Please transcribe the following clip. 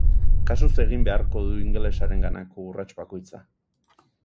Kasuz egin beharko du ingelesarenganako urrats bakoitza.